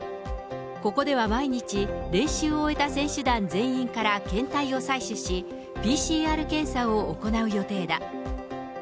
ここでは毎日、練習を終えた選手団全員から検体を採取し、ＰＣＲ検査を行う予定だ。